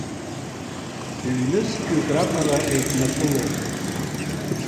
Ҩ-нызқьҩык раҟара еиднакылон.